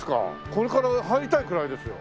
これから入りたいくらいですよ。